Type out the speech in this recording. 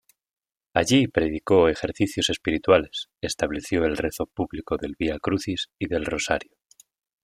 Allí predicó Ejercicios Espirituales, estableció el rezo público del Via Crucis y del Rosario.